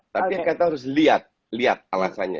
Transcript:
tapi kita harus lihat lihat alasannya